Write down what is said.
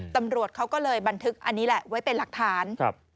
ตำรวจเขาก็เลยบันทึกอันนี้แหละไว้เป็นหลักฐาน